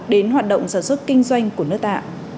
đến hoạt động sản xuất kinh doanh của nước ta